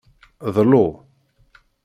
Dlu.